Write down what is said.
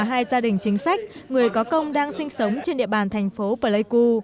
hai gia đình chính sách người có công đang sinh sống trên địa bàn thành phố pleiku